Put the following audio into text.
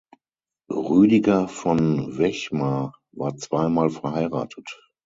Rüdiger von Wechmar war zweimal verheiratet.